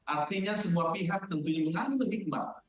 artinya semua pihak tentunya mengandung hikmah